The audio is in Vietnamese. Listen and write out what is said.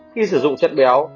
khi sử dụng chất béo